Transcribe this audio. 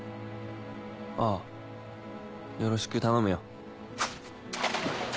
ああよろしく頼むよ。